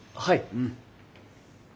うん。